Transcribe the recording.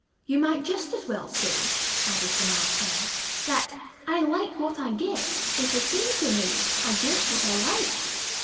"You might just as well say," added the March Hare, that 'I like what I get' is the same thing as 'I get what I like'!"